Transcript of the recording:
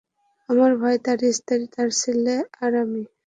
আমার ভাই, তার স্ত্রী, তার ছেলে আর আমি।